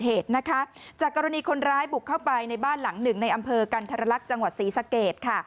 ผู้ชายบุกเข้าไปในบ้านหลังหนึ่งในอำเภอกันทรลักษณ์จังหวัดศรีสะเกดค่ะ